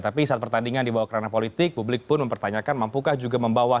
tapi saat pertandingan dibawa kerana politik publik pun mempertanyakan mampukah juga membawa